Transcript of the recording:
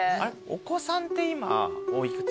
お子さんって今お幾つですか？